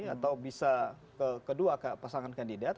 atau bisa ke kedua pasangan kandidat